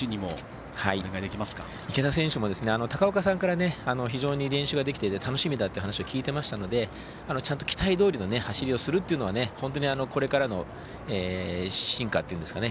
池田選手も高岡さんから、練習ができていて楽しみだという話を聞いていましたのでちゃんと期待どおりの走りをするというのはこれからの進化っていうんですかね